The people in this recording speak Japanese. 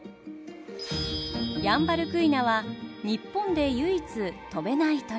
ヤンバルクイナは日本で唯一飛べない鳥。